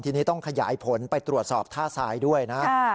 ทีนี้ต้องขยายผลไปตรวจสอบท่าทรายด้วยนะ